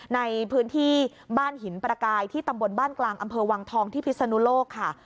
ในพื้นที่บ้านหินประกายที่ตำบลบ้านกลางอำเภอวังทองที่พิศนุโลกค่ะ